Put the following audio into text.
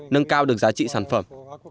nâng cao được giá trị sản phẩm